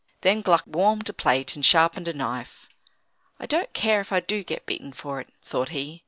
Then Gluck warmed a plate and sharpened a knife. "I don't care if I do get beaten for it," thought he.